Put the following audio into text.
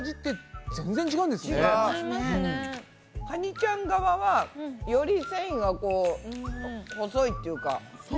カニちゃん側はより繊維がこう細いっていうか。